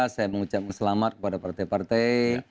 saya mengucapkan selamat kepada partai partai